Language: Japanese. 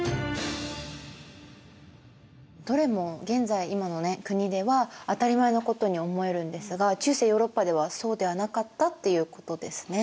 どれも現在今の国では当たり前のことに思えるんですが中世ヨーロッパではそうではなかったっていうことですね。